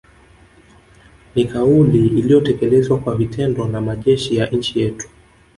Ni kauli iliyotekelezwa kwa vitendo na majeshi ya nchi yetu